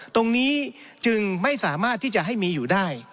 ตรงนี้จึงไม่สามารถที่จะให้มีอยู่ได้